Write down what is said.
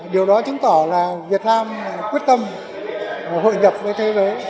điều đó chứng tỏ là việt nam quyết tâm hội nhập với thế giới